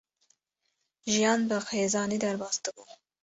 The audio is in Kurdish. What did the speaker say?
Jiyan bi xêzanî derbas dibû.